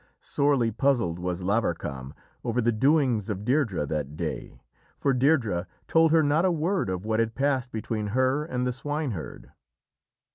Sorely puzzled was Lavarcam over the doings of Deirdrê that day, for Deirdrê told her not a word of what had passed between her and the swineherd.